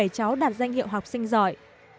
một trăm sáu mươi bảy cháu đạt danh hiệu học sinh giỏi